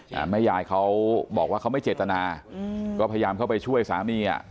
แม่ยายเขาบอกว่าเขาไม่เจตนาอืมก็พยายามเข้าไปช่วยสามีอ่ะ